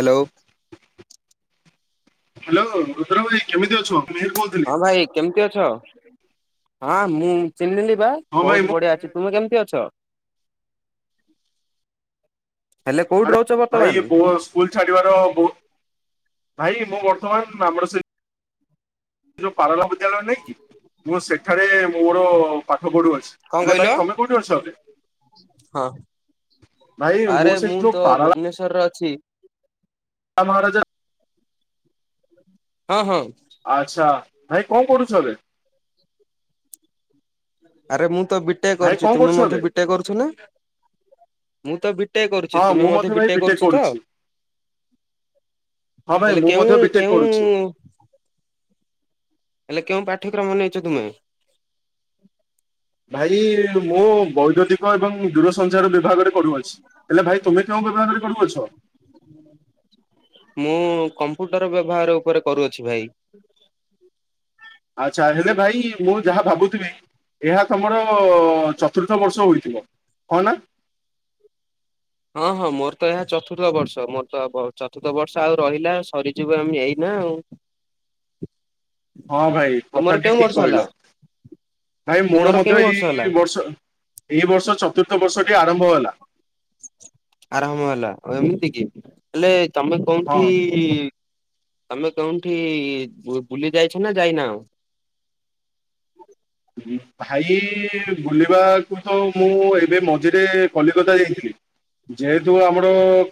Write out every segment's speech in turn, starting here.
Hello hello Rudra ଭାଇ କେମିତି ଅଛୁ ମୁଁ ମିହିର୍ କୋଉଥି ହଁ ଭାଇ କେମ୍ତି ଅଛ ହଁ ମୁଁ ଚିହ୍ନିଲି ପା ହଁ ଭାଇ ବୋହୁତ୍ ମୁଁ ବଢିଆ ଅଛି। ତୁମେ କେମ୍ତି ଅଛ? ହେଲେ କୋଉଠି ଆରେ ରହୁଛ ବର୍ତ୍ତମାନ? ଭାଇ ପୁଅ ସ୍କୁଲ୍ ଛାଡିବାର ବୁ ଭାଇ ମୁଁ ବର୍ତ୍ତମାନ୍ ଆମର ସେଇ ସେ ଯୋଉ ପାଳଗ୍ରାମ ବିଦ୍ୟାଳୟ ନାଇଁକି ମୁଁ ସେଠାରେ ମୋର ପାଠ ପଢ଼ୁ ଅଛି। କଣ ହେଲେ କହିଲ? ଭାଇ ତମେ କୋଉଠି ଅଛ? ହଁ ଭାଇ ଆରେ ମୋ ସେଇ ମୁଁ ଯୋଉ ତ ପାରଲା ଭୁବନେଶ୍ଵରରେ ଅଛି। ଆଉ ମହାରାଜା ହଁ ହଁ। ଆଚ୍ଛା। ଭାଇ କଣ କରୁଛ ଏବେ? ଆରେ ମୁଁ ତ ବିଟେକ୍ ଭାଇ କରୁଛି। କଣ ତୁମେ କରୁଛ ମଧ୍ୟ ଏବେ ବିଟେକ୍ କରୁଛ ନା? ମୁଁ ତ ବିଟେକ୍ କରୁଛି ହଁ ତୁମେ ମୁଁ ମଧ୍ୟ ଭାଇ ବିଟେକ୍ କରୁଛ ତ? କରୁଛି ହଁ ଭାଇ ହେଲେ ମୁଁ କେଉଁ ମଧ୍ୟ ଏ ବିଟେକ୍ କେଉଁ କରୁଛି ହେଲେ କେଉଁ ପାଠ୍ୟକ୍ରମ ନେଇଚ ତୁମେ? ଭାଇ ମୁଁ ବୈଦ୍ୟତିକ ଏବଂ ଦୂରସଞ୍ଚାର ବିଭାଗରେ କରୁଅଛି। ହେଲେ ଭାଇ ତୁମେ କେଉଁ ବିଭାଗରେ କରୁଅଛ? ମୁଁ କମ୍ପୁଟର ବ୍ୟବହାର ଉପରେ କରୁଅଛି ଭାଇ। [inaudible] ହୁଁ ଆଚ୍ଛା ହେଲେ ଭାଇ ମୁଁ ଯାହା ଭାବୁଥିବି। ଏହା ତମର ଚତୁର୍ଥ ବର୍ଷ ହୋଇଥିବ ହଁ ନା? ହଁ ହଁ ମୋର ତ ଏହା ଚତୁର୍ଥ ବର୍ଷ ମୋର ତ ପ ଚତୁର୍ଥ ବର୍ଷ ଆଉ ରହିଲା ସରିଯିବ ଆମ୍ ଏଇନା ଆଉ। [inaudible] ହ ହଁ ଭାଇ ତୁମର କଥା କେଉଁ ଟିକେ ବର୍ଷ ହେଲା? କହିଲ ଭାଇ ମୋର ତୁମର ମଧ୍ୟ କେଉଁ ବର୍ଷ ହେଲା ଏଇ ବର୍ଷ ଅ ଇଏ ବର୍ଷ ଚତୁର୍ଥ ବର୍ଷ ଟି ଆରମ୍ଭ ହେଲା। [inaudible] ଆରାମ ହେଲା ଅଏଁ ଏମ୍ହିତି କି ହେଲେ ତମେ ହଁ କୋଉଠି ଇ ତମେ କେଉଁଠି ବୁ ବୁଲି ଯାଇଛ ନା ଯାଇନା ଆଉ? ଉଁ ହୁଁ ପା ଭାଇ ବୁଲିବାକୁ ଥ ମୁଁ ଏବେ ମଝିରେ କଲିକତା ଯାଇଥିଲି। ଯେହେତୁ ଆମର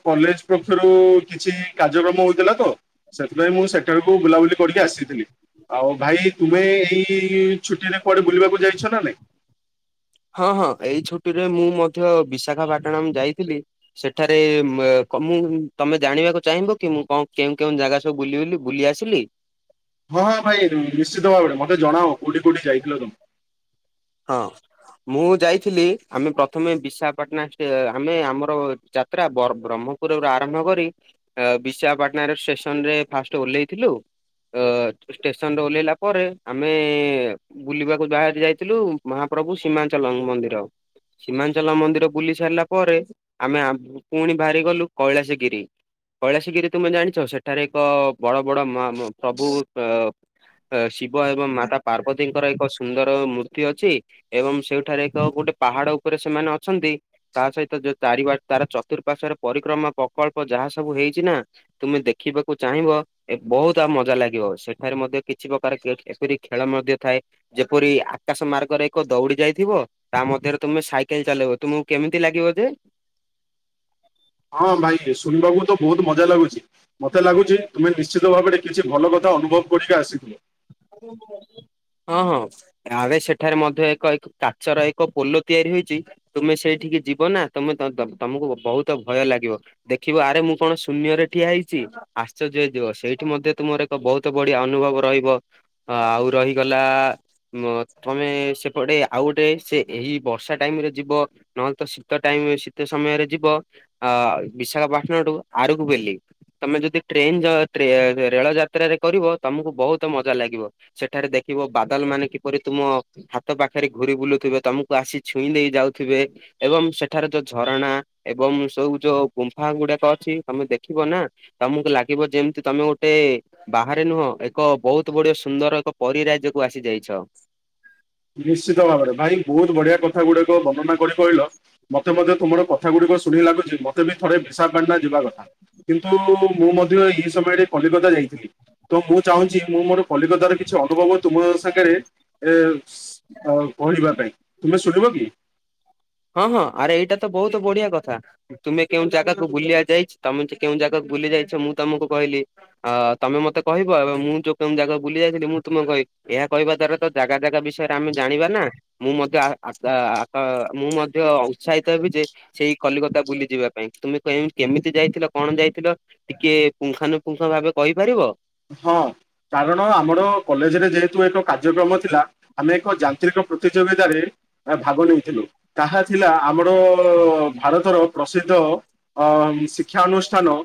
କଲେଜ୍ ପକ୍ଷରୁ କିଛି କାର୍ଯ୍ୟକ୍ରମ ହୋଇଥିଲା ତ। ସେଥିପାଇଁ ମୁଁ ସେଟାକୁ ବୁଲାବୁଲି କଡ଼ିକି ଆସିଥିଲି। ଆଉ ଭାଇ ତୁମେ ଏଇ ଛୁଟିରେ କୁଆଡେ ବୁଲିବାକୁ ଯାଇଛ ନା ନାଇଁ? ହଁ ହଁ ଏଇ ଛୁଟିରେ ମୁଁ ମଧ୍ୟ ବିଶାଖାପାଟଣାମି ଯାଇଥିଲି। ସେଠାରେ ମେଏ କମିନ୍ ତମେ ଜାଣିବାକୁ ଚାହିଁବ କି ମୁଁ କଅଁ କେଉଁ କେଉଁ ଜାଗାସ୍ ତ ବୁଲି ବୁଲି ବୁଲି ଆସିଲି। ହଁ ଭାଇ ଦୁଉଁ ନିଶ୍ଚିତ ଭାବରେ ମତେ ଜଣାଅଁ କୋଉଠି କୋଉଠି ଯାଇଥିଲ ତମେ। ହଁ। ମୁଁ ଯାଇଥିଲି ଆମେ ପ୍ରଥମେ ବିଶାପାଟ୍ନା ଷ୍ଟେ ଆମେ ଆମର ଯାତ୍ରା ବରମ୍ ବ୍ରହ୍ମ। ପୂରର୍ବରୁ ଆରମ୍ଭ କରି ଏଅ ବିଶିଆପାଟ୍ନାରେ ଷେସନ୍ରେ ଫାଷ୍ଟ ଓଲେଇଥିଲୁ। ଅ ଟେସ୍ନରେ ଓଲ୍ହିଲା ପରେ ଆମେ ବୁଲିବାକୁ ବାହାରି ଯାଇ ଥିଲୁ ମହାପ୍ରଭୁ ସୀମାଞ୍ଚଲ ମୁଁ ମନ୍ଦିର। ସୀମାନ୍ଞ୍ଚଲ ମନ୍ଦିର ବୁଲି ସାରିଲା ପରେ ଆମେ ଆମ୍ ପୁଣି ବାହାରି ଗଲୁ କୈଳାସ ଗିରି। କୈଳାସି ଗିରି ତୁମେ ଜାଣିଛ ସେଠାରେ ଏକ ବଡ଼ ବଡ଼ ମା ମ ଫ୍ରଭୁ। ୟେ ଶିବ ଏବଂ ମାତା ପାର୍ବତୀଙ୍କର ଏକ ସୁନ୍ଦର ମୂ ଠି ଅଛି ଏବଂ ସେଉଠାରେ ଏକ ଗୋଟେ ପାହାଡ଼ ଉପରେ ସେମାନେ ଅଛନ୍ତି। ତା ସହିତ ଯୋଉ ତାଡ଼ିବାର ତାର ଚତୁଃପାର୍ଶ୍ଵରେ ପରିକ୍ରମା ପକଳ୍ପ ଯାହା ସବୁ ହେଇଛି ନା। ତୁମେ ଦେଖିବାକୁ ଚାହିଁବ। ଏ ବହୁତ୍ ଆମ୍ ମଜା ଲାଗିବ ସେଠାରେ ମଧ୍ୟ କିଛି ପ୍ରକାର କେକ୍ ଏପିରି ଖେଳ ମଧ୍ୟ ଥାଏ। ଯେପରି ଆଖ୍ କାଶ ମାର୍ଗରେ ଏକ ଦୌଡ଼ି ଯାଇଥିବ ତା ମଧ୍ୟରେ ତମେ ସାଇକେଲ ଚଲେଇବ ତୁମକୁ କେମିତି ଲାଗିବ ଯେ ହଁ ଭାଇ ଶୁଣିବାକୁ ତ ବହୁତ୍ ମଜା ଲାଗୁଛି ମତେ ଲାଗୁଛି ତୁମେ ନିଶ୍ଚିତ ଭାବରେ କିଛି ଭଲ କଥା ଅନୁଭବ୍ କରିକି ଆସିଥିଲେ। [unintelligible] ହଁ ହଁ। ରାବେ ସେଠାରେ ମଧ୍ୟ ଏକ ଏକ୍ କାଚର ଏକ ପୋଲ ତିଆରି ହୋଇଛି ତୁମେ ସେଇଠିକି ଯିବ ନା ତମେ ତଁଦବ୍ ତମୁକୁ ବ ବହୁତ ଭୟ ଲାଗିବ। ଦେଖିବୁ ଆଡ଼େ ମୁଁ କଣ ଶୂନ୍ୟରେ ଠିଆ ହେଇଛି। ଆଶ୍ଚର୍ଯ୍ୟ ହେଇଯିବ ସେଇଠି ମଧ୍ୟ ତୁମର ଏକ ବହୁତ ବଢିଆ ଅନୁଭବ ରହିବ। ହଁ ଆଉ ରହିଗଲା ମଥମେ ସେପଟେ ଆଉ ଗୋଟେ ସେ ଏଇ ବର୍ଷା ଟାଇମ୍ ରେ ଯିବ ନହେଲେ ତ ଶୀତ ଟାଇମ୍ ଶୀତ ସମୟରେ ଯିବ ଅ ବିଶାଖା ପାଟଣାଠୁ ଆଡୁକୁ ବେଲି ତମେ ଯଦି ଟ୍ରେନ ସ ରେଳ ଯାତ୍ରାରେ କରିବ ତମକୁ ବହୁତ ମ ମଜା ଲାଗିବ ସେଠାରେ ଦେଖିବ ବାଦଲ ମାନେ କିପରି ତୁମ ହାତ ପାଖରେ ଘୁରି ବୁଲୁଥିବେ ତମକୁ ଆସି ଛୁଇଁ ଦେଇ ଯାଉଥିବେ ଏବଂ ସେଠାରେ ଯୋଉ ଝରଣା ଏବଂ ସୋଉ ଯୋଉ ଗୁମ୍ଫା ଗୁଡାକ ଅଛି ତମେ ଦେଖିବ ନା ତମକୁ ଲାଗିବ ଯେମିତି ତମେ ଗୋଟେ ବାହାରେ ନୁହଁ ଏକ ବହୁତ ଏତେ ବଡ ସୁନ୍ଦର ଏକ ପରିରାଇଜକୁୁ ଆସି ଯାଇଛ। ନିଶ୍ଚିତ ଭାବରେ ଭାଇ ବହୁତ ବଢିଆ କଥା ଗୁଡିକ ବର୍ଣ୍ଣନା କରି କହିଲ‌। ମତେ ମଧ୍ୟ ତୁମର କଥା ଗୁଡ଼ିକ ଶୁଣିି ଲାଗୁଛି‌ ମ ତେବେ ଥରେ ବିଶାଖପାଣ୍ଡା ଯିବା କଥା କିନ୍ତୁ ମୁଁ ମଧ୍ୟ ଏହି ସମୟରେ କଲିକତା ଯାଇଥିଲି। ତ ମୁଁ ଚାହୁଁଛି ମୁଁ ମୋର କଲିକତାର କିଛି ଅନୁଭବ ତୁମ ସାଙ୍ଗରେ ଏ ଏ କହିବା ପାଇଁ ତୁମେ ଶୁଣିବ କି? ହଁ ହଁ ଆରେ ଏଇଟା ତ ବହୁତ ବଢିଆ କଥା। ତୁମେ କେଉଁ ଜାଗାକୁ ବୁଲିବା ଯାଇଚ୍ଛି, ତମେ କେଉଁ ଜାଗାକୁ ବୁଲି ଯାଇଛ ମୁଁ ତମକୁ କହିଲି। ଆ ତମେ ମତେକହିବ ଏବଂ ମୁଁ ଯୋଉ କେଉଁ ଜାଗାକୁ ବୁଲି ଯାଇଥିଲି ମୁଁ ତୁମକୁ କହିବି। ଏହା କହିବା ଦ୍ଵାରା ତ ଜାଗା ଜାଗା ବିଷୟରେ ଆମେ ଜାଣିବା ନା ମୁଁ ମଧ୍ୟ ଆହା ଆହା ମୁଁ ମଧ୍ୟ ଉତ୍ସାହିତ ହେବି ଯେ ସେଇ କଲିକତା ବୁଲି ଯିବା ପାଇଁ ତୁମେ ତୁମେ କହିଲନି କେମିତି ଯାଇଥିଲ କଣ ଯାଇଥିଲ। ଟିକେ ପୁଙ୍ଖନୁପୁଙ୍ଖ ଭାବେ କହିପାରିବ। ହଁ କାରଣ ଆମର କଲେଜରେ ଯେହେତୁ ଏକ କାର୍ଯ୍ୟକ୍ରମ ଥିଲା। ଆମେ ଏକ ଯାନ୍ତ୍ରିକ ପ୍ରତିଯୋଗିତାରେ ଆମେ ଭାଗ ନେଇଥିଲୁ ତାହା ଥିଲା ଆମର ଭାରତର ପ୍ରସିଦ୍ଧ ଅ ଶିକ୍ଷା ଅନୁଷ୍ଠାନ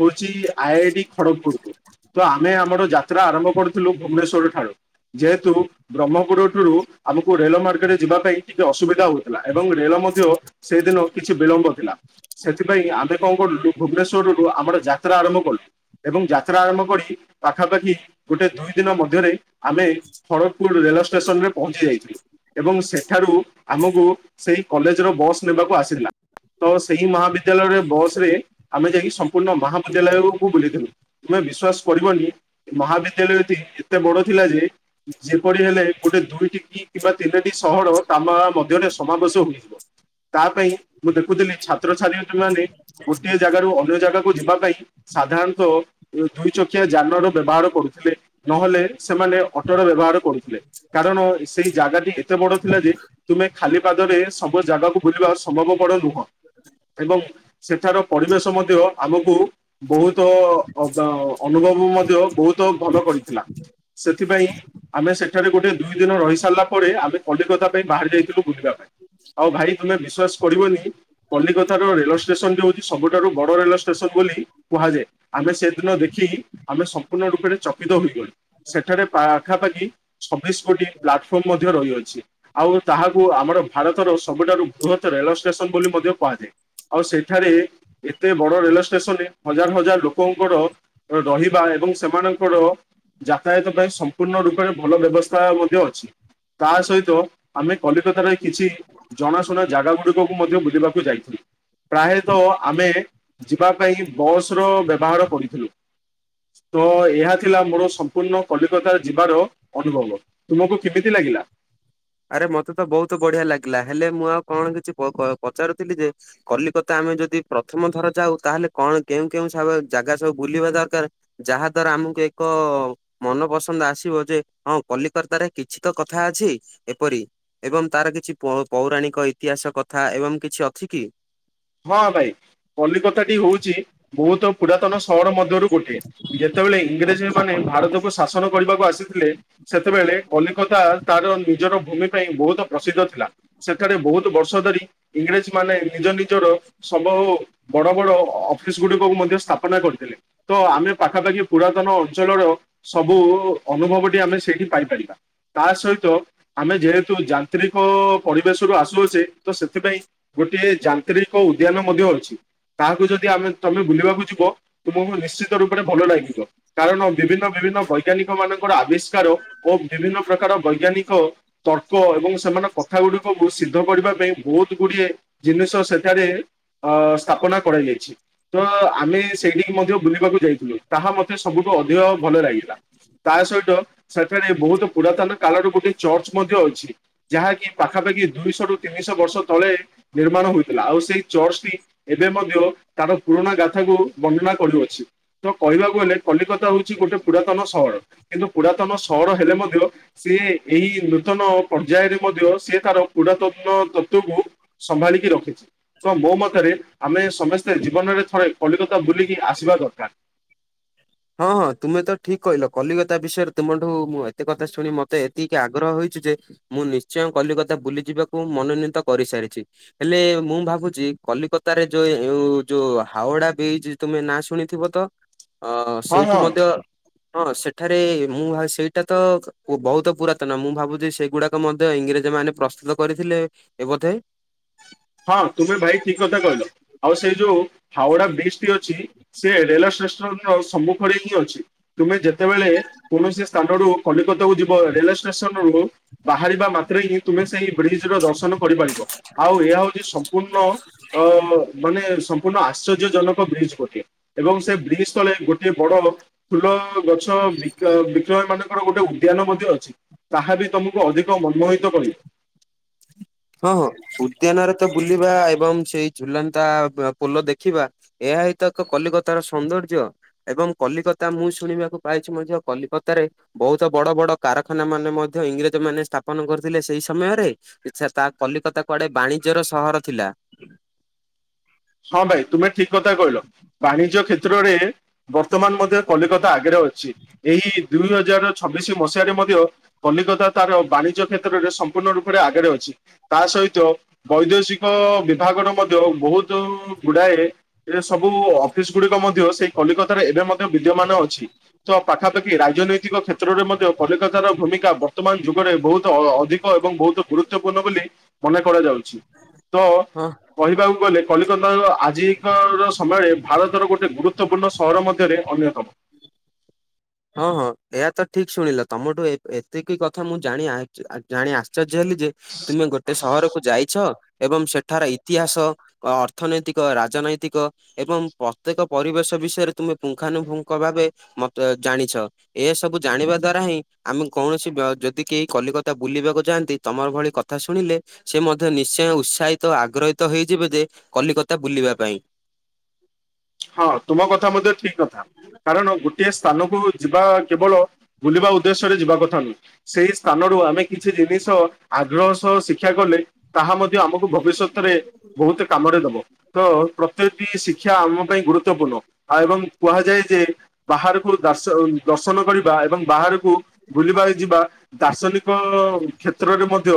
ହଉଛି ଆଇ ଆଇ ଟି ଖଡ଼ଗପୁରୁ। ତ ଆମେ ଆମର ଯାତ୍ରା ଆରମ୍ଭ କରୁଥିଲୁ ଭୁବନେଶ୍ଵର ଠାରୁ। ଯେହେତୁ ବ୍ରହ୍ମପୁର ଠୁରୁ ଆମକୁ ରେଳୱେ ମାର୍ଗ ରେ ଯିବା ପାଇଁ ଟିକେ ଅସୁବିଧା ହଏ। ଥିଲା ଏବଂ ରେଳ ମଧ୍ୟ ସେଇଦିନ କିଛି ବିଳମ୍ବ ଥିଲା। ସେଥିପାଇଁ ଆମେ କଣ କରିଲୁୁ ଭୁବନେଶ୍ୱରରୁୁ ଆମର ଯାତ୍ରା ଆରମ୍ଭ କଲୁ ଏବଂ ଯାତ୍ରା ଆରମ୍ଭ କରି ଇ ପାଖାପାଖି ଗୋଟେ ଦୁଇ ଦିନ ମଧ୍ୟରେ ଆମେ ଖଡଗପୁର ରେଳ ଷ୍ଟେସନ ରେ ପହଞ୍ଚି ଯାଇଥିଲୁ। ଏବଂ ସେଠାରୁ ଆମକୁ ସେଇ କଲେଜର ବସ୍ ନେବାକୁ ଆସିଲା। ତ ସେଇ ମହାବିଦ୍ୟାଳୟରେ ବସ ରେ ଆମେ ଯାଇକି ସମ୍ପୂର୍ଣ୍ଣ ମହାବିଦ୍ୟାଳୟକୁ ବୁଲିଥିଲୁ ତୁମେ ବିଶ୍ୱାସ କରିବନି ମହାବିଦ୍ୟାଳୟଟି ଏ ଏତେ ବଡ ଥିଲା ଯେ ଯେପରି ହେଲେ ଗୋଟେ ଦୁଇଟି କି କିମ୍ବା ତିନୋଟି ସହର ତାମଳା ମଧ୍ୟରେ ସମାବେଶ ହୋଇଯିବ। ତା ପାଇଁ ମୁଁ ଦେଖୁଥିଲି ଛାତ୍ରଛାତ୍ରୀ ମାନେ ଗୋଟିଏ ଜାଗାରୁ ଅନ୍ୟ ଜାଗାକୁ ଯିବା ପାଇଁ ସାଧାରଣତଃ ଯୋଉ ଦୁଇ ଚକିଆ ଯାନର ବ୍ୟବହାର କରୁଥିଲେ। ନହେଲେ ସେମାନେ ଅଟୋର ବ୍ୟବହାର କରୁଥିଲେ କାରଣ ସେଇ ଜାଗାଟି ଏତେ ବଡ଼ ଥିଲା ଯେ ତୁମେ ଖାଲି ପାଦରେ ସବୁ ଜାଗାକୁ ବୁଲିବା ସମ୍ଭବ ପଡ ନୁହଁ। ଏବଂ ସେଠାର ପରିବେଶ ମଧ୍ୟ ଆମକୁ ବହୁତ ଅବାହ ଅନୁଭବ ମଧ୍ୟ ବହୁତ ଭଲ କରିଥିଲା ସେଥିପାଇଁ ଆମେ ସେଠାରେ ଗୋଟେ ଦୁଇ ଦିନ ରହି ସାରିଲା ପରେ ଆମେ କଲିକତା ପାଇଁ ବାହାରି ଯାଇଥିଲୁ ବୁଲିବା ପାଇଁ। ଆଉ ଭାଇ ତୁମେ ବିଶ୍ଵାସ କରିବନି କଲିକତାର ରେଳ ଷ୍ଟେସନ ଯୋଉ ସବୁଠାରୁ ବଡ ରେଲୱେଷ୍ଟେସନ ବୋଲି କୁହାଯାଏ। ଆମେ ସେଇଦିନ ବି ଚି ଆମେ ସମ୍ପୂର୍ଣ୍ଣ ରୂପରେ ଚକିତ ହୋଇଗଲୁ। ସେଠାରେ ପାଖାପାଖି ଛବିଶ ଗୋଟି ପ୍ଲାଟଫର୍ମ ମଧ୍ୟ ରହିଅଛି। ଆଉ ତାହାକୁ ଆମର ଭାରତର ସବୁଠାରୁ ବୃହତ ରେଳ ଷ୍ଟେସନ ବୋଲି ମଧ୍ୟ କୁହାଯାଏ। ଆଉ ସେଠାରେ ଏତେ ବଡ଼ ରେଲୱେ ଷ୍ଟେସନ ଏ ହଜାର ହଜାର ଲୋକଙ୍କର ରହିବା ଏବଂ ସେମାନଙ୍କର ଯାତାୟାତ ପାଇଁ ସମ୍ପୂର୍ଣ୍ଣ ରୂପରେ ଭଲ ବ୍ୟବସ୍ଥା ମଧ୍ୟ ଅଛି। ତା ସହିତ ଆମେ କଲିକତାରେ କିଛି ଜଣାଶୁଣା ଜାଗା ଗୁଡିକକୁ ମଧ୍ୟ ବୁଲିବାକୁ ଯାଇଥିଲୁ। ପ୍ରାୟତଃ ଆମେ ଯିବା ପାଇଁ ବସର ବ୍ୟବହାର କରିଥିଲୁ। ତ ଏହା ଥିଲା ମୋର ସମ୍ପୂର୍ଣ୍ଣ କଲିକତା ଯିବାର ଅନୁଭବ। ତୁମକୁ କେମିତି ଲାଗିଲା? ଆରେ ମତେ ତ ବହୁତ ବଢିଆ ଲାଗିଲା ହେଲେ ମୁଁ ଆଉ କଣ କିଛି ପ ପଚାରୁଥିଲି ଯେ କଲିକତା ଆମେ ଯଦି ପ୍ରଥମ ଥର ଯାଉ ତାହେଲେ କଣ କେଉଁ କେଉଁ ସ ଜାଗା ସବୁ ବୁଲିବା ଦରକାରେ? ଯାହା ଦ୍ୱାରା ଆମକୁ ଏକ ମନ ପସନ୍ଦ ଆସିବ ଯେ ହଁ କଲିକତାରେ କିଛି ତ କଥା ଅଛି। ଏପରି ଏବଂ ତାର କିଛି ପ ପୌରାଣିକ ଇତିହାସ କଥା ଏବଂ କିଛି ଅଛି କି? ହଁ ଭାଇ କଲିକତା ଟି ହଉଛି ବହୁତ ପୁରାତନ ସହର ମଧ୍ୟରୁ ଗୋଟିଏ। ଯେତେବେଳେ ଇଂରେଜ ମାନେ ଭାରତକୁ ଶାସନ କରିବାକୁ ଆସିି ଥିଲେ। ସେତେବେଳେ କଲିକତା ତାର ନିଜର ଭୂମି ପାଇଁ ବହୁତ ପ୍ରସିଦ୍ଧ ଥିଲା ସେଠାରେ ବହୁତୁ ବର୍ଷ ଧରି ଇଂରେଜ ମାନେ ନିଜ ନି ନିଜର ସମ୍ଭ ଓ ବଡ଼ ବଡ଼ ଅଫିସ ଗୁଡିକକୁ ମଧ୍ୟ ସ୍ଥାପନା କରିଥିଲେ। ତ ଆମେ ପାଖାପାଖି ପୁରାତନ ଅଞ୍ଚଳର ସବୁ ଅନୁଭବଟି ଆମେ ସେଇଠି ପାଇପାରିବା। ତା ସହିତ ଆମେ ଯେହେତୁ ଯାନ୍ତ୍ରିକ ପରିବେଶରୁୁ ଆସୁଅଛେ ତ ସେଥିପାଇଁ ଗୋଟିଏ ଯାନ୍ତ୍ରିକ ଉଦ୍ୟାନ ମଧ୍ୟ ଅଛି। ତାହାକୁ ଯଦି ଆମେ ତମେ ବୁଲିବାକୁ ଯିବ ତୁମକୁ ନିଶ୍ଚିତ ରୂପରେ ଭଲ ଲାଗିବ। କାରଣ ବିଭିନ୍ନ ବିଭିନ୍ନ ବୈଜ୍ଞାନିକ ମାନଙ୍କର ଆବିଷ୍କାର ଓ ବିଭିନ୍ନ ପ୍ରକାର ବୈଜ୍ଞାନିକ ତର୍କ ଏବଂ ସେମାନଙ୍କ କଥା ଗୁଡିକକୁ ସିଦ୍ଧ କରିବା ପାଇଁ ବହୁତ ଗୁଡିଏ ଜିନିଷ ସେ ଠାରେ ଅ ସ୍ଥାପନା କରାଯାଇଛି। ତ ଆମେ ସେଇଠିକି ମଧ୍ୟ ବୁଲିବାକୁ ଯାଇଥିଲୁ ତାହା ମତେ ସବୁଠୁ ଅଧିକ ଭଲ ଲାଗିଲା। ତା ସହିତ ସେଠାରେ ବହୁତ ପୁରାତନ କାଳର ଗୋଟେ ଚର୍ଚ୍ଚ ମଧ୍ୟ ଅଛି। ଯାହାକି ପାଖାପାଖି ଦୁଇଶହ ରୁ ତିନିଶହ ବର୍ଷ ତଳେ ନିର୍ମାଣ ହୋଇ ଥିଲା। ଆଉ ସେଇ ଚର୍ଚ୍ଚଟି ଏବେ ମଧ୍ୟ ତାର ପୁରୁଣା ଗାଥାକୁ ବର୍ଣ୍ଣନା କରୁଅଛି। ତ କହିବାକୁ ଗଲେ କଲିକତା ହଉଛି ଗୋଟେ ପୁରାତନ ସହର କିନ୍ତୁ ପୁରାତନ ସହର ହେଲେ ମଧ୍ୟ ସିଏ ଏଇ ନୂତନ ପର୍ଯ୍ୟାୟରେ ମଧ୍ୟ ସିଏ ତାର ଉଡ଼ାତତ୍ଵ ତତ୍ଵକୁ ସମ୍ଭାଳିକି ରଖେ। ତ ମୋ ମତରେ ଆମେ ସମସ୍ତେ ଜୀବନରେ ଥରେ କଲିକତା ବୁଲିକି ଆସିବା ଦରକାର। ହଁ ହଁ ତୁମେ ତ ଠିକ କହିଲ କଲିକତା ବିଷୟରେ ତୁମଠୁ ମୁଁ ଏତେ କଥା ଶୁଣି ମତେ ଏତିକି ଆଗ୍ରହ ହୋଇଛି ଯେ ମୁଁ ନିଶ୍ଚୟ କଲିକତା ବୁଲି ଯିବାକୁ ମନୋନୀତ କରିସାରିଛି। ହେଲେ ମୁଁ ଭାବୁଛି କଲିକତାରେ ଯୋଉ ଯୋଉ ହାଓଡା ବ୍ରିଜ ତୁମେ ନାଁ ଶୁଣିଥିବ ତ? ହଁ ସେଇଠି ମଧ୍ୟ ହଁ ସେଠାରେ ମୁଁ ସେଇଟା ତ ବହୁତ ପୁରାତନ, ମୁଁ ଭାବୁଛି ସେଗୁଡାକ ମଧ୍ୟ ଇଂରେଜ ମାନେ ପ୍ରସ୍ତୁତ କରିଥିଲେ ଏ ବୋଧେ। ହଁ ତୁମେ ଭାଇ ଠିକ କଥା କହିଲ। ଆଉ ସେଇ ଯୋଉ ହାଓଡା ବ୍ରିଜ ଟି ଅଛି ସେ ରେଲ ଷ୍ଟେସନ୍ ସମ୍ମୁଖରେ ହିଁ ଅଛି। ତୁମେ ଯେତେବେଳେ କୌଣସି ସ୍ଥାନ ରୁ କଲିକତାକୁୁ ଯିବ ରେଳ ଷ୍ଟେସନ ରୁ ବାହାରିବା ମାତ୍ରେ ହିଁ ତୁମେ ସେଇ ବ୍ରିଜ୍ ର ଦର୍ଶନ କରିପାରିବ। ଆଉ ଏହା ହୋଉଛି ସମ୍ପୂର୍ଣ୍ଣ ଅ ମାନେ ସମ୍ପୂର୍ଣ୍ଣ ଆଶ୍ଚର୍ଯ୍ୟ ଜନକ ବ୍ରିଜ୍ ଗୋଟେ। ଏବଂ ସେ ବ୍ରିଜ୍ ତଳେ ଗୋଟେ ବଡ। ଫୁଲ ଗଛ ବିକ୍ରୟ, ବିକ୍ରୟ ମାନଙ୍କର ଗୋଟେ ଉଦ୍ୟାନ ମଧ୍ୟ ଅଛି। ତାହା ବି ତମକୁ ଅଧିକ ମନମୋହିତ କରିବେ। ହଁ ହଁ ଉଦ୍ୟାନରେ ତ ବୁଲିବା ଏବଂ ସେଇ ଝୁଲନ୍ତା ପୋଲ ଦେଖିବା। ଏହା ହିତ ଏକ କଲିକତାର ସୌନ୍ଦର୍ଯ୍ୟ। ଏବଂ କଲିକତା ମୁଁ ଶୁଣିବାକୁ ପାଇଛି ମଧ୍ୟ କଲିକତାରେ ବୋହୁତ ବଡ ବଡ କାରଖାନା ମାନେ ମଧ୍ୟ ଇଂରେଜ ମାନେ ସ୍ଥାପନ କରିଥିଲେ ସେଇ ସମୟରେ ତା କଲିକତା କୁଆଡେ ବାଣିଜ୍ୟର ସହର ଥିଲା। ହଁ ଭାଇ ତୁମେ ଠିକ୍ କଥା କହିଲ, ବାଣିଜ୍ୟ କ୍ଷେତ୍ରରେ ବର୍ତ୍ତମାନ୍ ମଧ୍ୟ କଲିକତା ଆଗରେ ଅଛି, ଏହି ଦୁଇ ହଜାର ଛବିଶି ମସିହାରେ ମଧ୍ୟ। କଲିକତା ତାର ବାଣି। ଜ୍ୟ କ୍ଷେତ୍ରରେ ସମ୍ପୂର୍ଣ୍ଣ ରୂପରେ ଆଗରେ ଅଛି ତା ସହିତ ବୈଦେଶିକ ବିଭାଗର ମଧ୍ୟ ବୋହୁତ ଗୁଡାଏ ଏ ସବୁ ଅଫିସ୍ ଗୁଡିକ ମଧ୍ୟ ସେଇ କଲିକତାରେ ଏବେ ମଧ୍ୟ ବିଦ୍ୟମାନ ଅଛି। ତ ପାଖାପାଖି ରାଜନୈତିକ କ୍ଷେତ୍ରରେ ମଧ୍ୟ କଲିକାତାର ଭୂମିକା ବ ବର୍ତ୍ତମାନ ଯୁଗରେ ବୋହୁତ୍ ଅ-ଅଧିକ ଏବଂ ବୋହୁତ୍ ଗୁରୁତ୍ୱପୂର୍ଣ୍ଣ ବୋଲି ମନେ କରାଯାଉଛି। ତ ହଁ କହିବାକୁ ଗଲେ କଲିକତାର ଆଜିକର ସମୟରେ ଭାରତର ଗୋଟିଏ ଗୁରୁତ୍ୱପୂର୍ଣ୍ଣ ସହର ମଧ୍ୟରେ ଅନ୍ୟତମ। ହଁ -ହଁ ଏହା ତ ଠିକ୍ ଶୁଣିଲ, ତମଠୁ ଏତିକି କଥା ମୁଁ ଜାଣି-ଆ- ଜାଣି ଆଶ୍ଚର୍ଯ୍ୟ ହେଲି ଯେ ତୁମେ ଗୋଟେ ସହରକୁୁ ଯାଇଛ ଏବଂ ସେଠାର ଇତିହାସ। ଅର୍ଥନୈତିକ ରାଜନୈତିକ ଏବଂ ପ୍ରତ୍ୟେକ ପରିବେଶ ବିଷୟରେ ତୁମେ ପୁଙ୍ଗାନୁପୁଙ୍ଗ୍ ଭାବେ ମତ ଜାଣିଛ। ଏସବୁ ଜାଣିବା ଦ୍ଵାରା ହିଁ ଆମେ କୌଣସି ଯଦି କେହି କଲିକତା ବୁଲିବାକୁ ଯାଆନ୍ତି। ତମର ଭଳି କଥା ଶୁଣିଲେ ସେ ମଧ୍ୟ। ନିଶ୍ଚୟ ଉତ୍ସାହିତ ଆଗ୍ରହିତ ହେଇଯିବେ ଯେ କଲିକତା ବୁଲିବା ପାଇଁ। ହଁ ତୁମ କଥା ମଧ୍ୟ ଠିକ୍ କଥା। କାରଣ ଗୋଟିଏ ସ୍ଥାନକୁ ଯିବା କେବଳ ବୁଲିବା ଉଦ୍ଦେଶ୍ୟରେ ଯିବା କଥା ନୁହେଁ। ସେଇ ସ୍ଥାନରୁୁ ଆମେ କିଛି ଜିନିଷ ଆଗ୍ରହ ସହ ଶିକ୍ଷା କଲେ ତାହା ମଧ୍ୟ ଆମକୁ ଭବିଷ୍ୟତରେ ବୋହୁତୁ କାମରେ ଦବ ତ ପ୍ରତ୍ୟଟି ଶିକ୍ଷା ଆମ ଗୁରୁତ୍ୱପୂର୍ଣ୍ଣ ଏବଂ କୁହାଯାଏ ଯେ ବାହାରକୁ ଦାଶ ଦର୍ଶନ କରିବା ଏବଂ ବାହାରକୁ ବୁଲିବା ଯିବା। ଦାର୍ଶନିକ କ୍ଷେତ୍ରରେ ମଧ୍ୟ।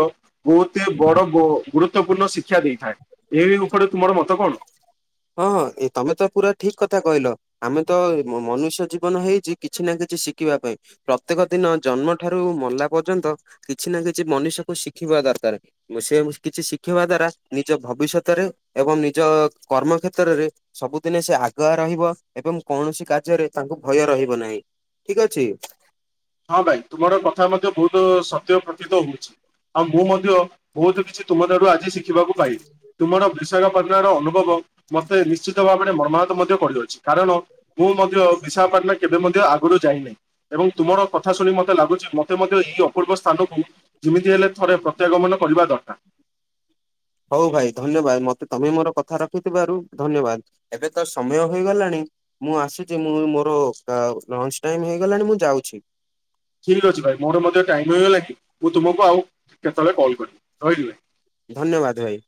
ବହୁତେ ବଡ ଗୋ-ଗୁରୁତପୂର୍ଣ୍ଣ ଶିକ୍ଷା ଦେଇଥାଏ। ଏହି ଉପରେ ତୁମର ମତ କଣ? ହଁ ହଁ ଏ ତମେ ତ ପୁରା ଠିକ୍ କଥା କହିଲ। ଆମେ ତ ମନୁଷ୍ୟ ଜୀବନ ହେଇଛି କିଛି ନା କିଛି ଶିଖିବା ପାଇଁ। ପ୍ରତ୍ୟେକ ଦିନ ଜନ୍ମ ଠାରୁ ମଲା ପର୍ଯ୍ୟନ୍ତ କିଛି ନା କିଛି ମନୁଷକୁ ଶିଖିବା ଦରକାର୍ ରେ। ସେ କିଛି ଶିଖିବା ଦ୍ଵାରା ନିଜ ଭବିଷ୍ୟତରେ ଏବଂ ନିଜ କର୍ମ କ୍ଷେତ୍ରରରେ ସବୁଦିନେ ସେ ଆଗୁଆ ରହିବ ଏବଂ କୌଣସି କାର୍ଯ୍ୟରେ ତାଙ୍କୁ ଭୟ ରହିବ ନାହିଁ। ଠିକ୍ ଅଛି। ହଁ ଭାଇ ତୁମର କଥା ମଧ୍ୟ ବୋହୁତୁ ସତ୍ୟ ପ୍ରତୀତ ହୋଉଛି। ଆଉ ମୁଁ ମଧ୍ୟ ବୋହୁତୁ କିଛି ତୁମ ଠାରୁ ଆଜି ଶିଖିବାକୁ ପାଇଲି। ତୁମର ବିଶାଖପାଟଣ ର ଅନୁଭବ ମୋତେ ନିଶ୍ଚିତ ଭାବରେ ମର୍ମାହତ ମଧ୍ୟ କରିଦୋଉଛି କାରଣ ମୁଁ ମଧ୍ୟ ବିଶାଖାପାଟଣା କେବେ ମଧ୍ୟ ଆଗରୁ ଯାଇନାହିଁ। ଏବଂ ତୁମର କଥା ଶୁଣି ମୋତେ ଲାଗୁଛି ମୋତେ ମଧ୍ୟ ଏହି ଅପୂର୍ବ ସ୍ଥାନକୁ ଯେମିତି ହେଲେ ଥରେ ପ୍ରତ୍ୟାଗମନ କରିବା ଦରକାର। ହଉ ଭାଇ ଧନ୍ୟବାଦ ମତେ ତମେ ମୋର କଥା ରଖିଥିବାରୁ ଧନ୍ୟବାଦ। ଏବେ ତ ସମୟ ହେଇଗଲାଣି। ମୁଁ ଆସୁଛି ମୁଁ ମୋର ଲଞ୍ଚ ଟାଇମ ହେଇଗଲାଣି ମୁଁ ଯାଉଛି। ଠିକ୍ ଅଛି ଭାଇ ମୋର ମଧ୍ୟ ଟାଇମ ହେଇଗଲା କି ମୁଁ ତୁମକୁ ଆଉ କେତେବେଳେ କଲ୍ କରିବି ରହିଲି ଭାଇ। ଧନ୍ୟବାଦ ଭାଇ।